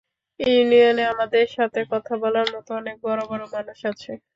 ইউনিয়নে আমাদের সাথে কথা বলার মতো অনেক বড় বড় মানুষ আছে।